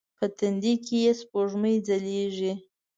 په تندې کې یې سپوږمۍ ځلیږې